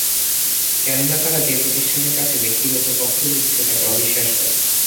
কেননা তারা যে প্রতিষ্ঠানের কাছে ব্যক্তিগত তথ্য দিচ্ছে, তাকে অবিশ্বাস করে।